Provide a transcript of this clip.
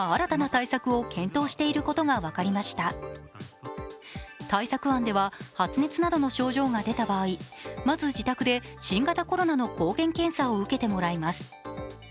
対策案では発熱などの症状が出た場合、まず自宅で新型コロナの抗原検査を受けてもらいます。